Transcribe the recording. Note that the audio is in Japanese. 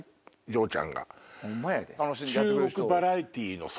徐ちゃんが。